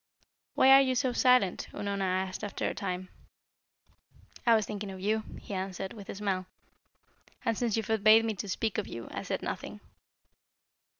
"Why are you so silent?" Unorna asked, after a time. "I was thinking of you," he answered, with a smile. "And since you forbade me to speak of you, I said nothing."